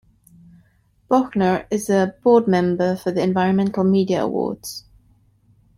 Bochner is a board member of the Environmental Media Awards.